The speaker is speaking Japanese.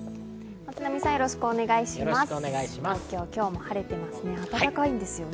東京、今日も晴れていますね。